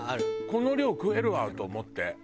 この量食えるわと思って。